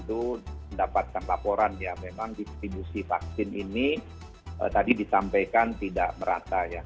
itu mendapatkan laporan ya memang distribusi vaksin ini tadi disampaikan tidak merata ya